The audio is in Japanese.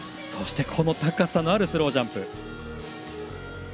そして、この高さのあるスロージャンプ。